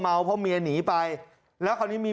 เขาก็เลยเฟี้ยงของเขาออกมาอย่างนี้